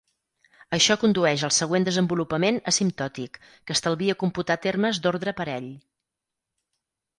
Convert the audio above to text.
Això condueix al següent desenvolupament asimptòtic, que estalvia computar termes d'ordre parell.